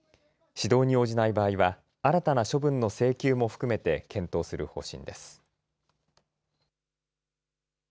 指導に応じない場合は新たな処分の請求も含めて検討する方針です。